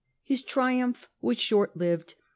His triumph was short lived.